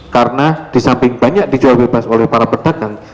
karena disamping banyak dijual bebas oleh para pedagang